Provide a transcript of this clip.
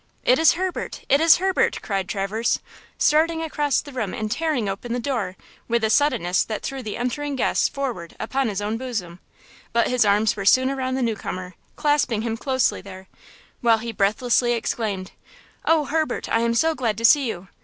"It is Herbert! It is Herbert!" cried Traverse, starting across the room and tearing open the door with a suddenness that threw the entering guest forward upon his own bosom; but his arms were soon around the newcomer, clasping him closely there, while he breathlessly exclaimed: "Oh, Herbert, I am so glad to see you!